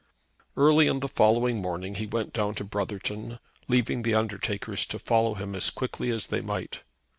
Early on the following morning he went down to Brotherton, leaving the undertakers to follow him as quickly as they might.